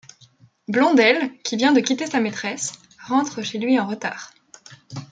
Blondel, qui vient de quitter sa maîtresse, rentre chez lui en retard.